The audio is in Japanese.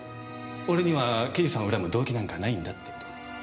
俺には刑事さんを恨む動機なんかないんだって事を。